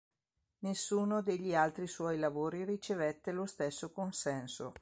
Nessuno degli altri suoi lavori ricevette lo stesso consenso.